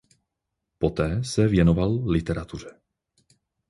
Poté se věnoval literatuře.